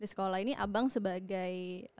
di sekolah ini abang sebagai